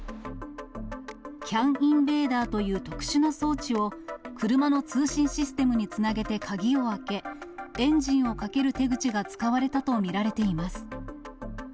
ＣＡＮインベーダーという特殊な装置を車の通信システムにつなげて鍵を開け、エンジンをかける手口が使われたと見られています。